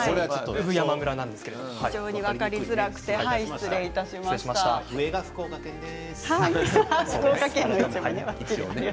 非常に分かりづらくて上は福岡県です。